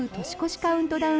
カウントダウン